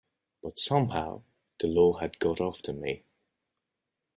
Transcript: But somehow the law had got after me.